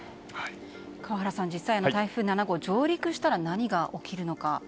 実際に台風７号が上陸したら何が起きるのか。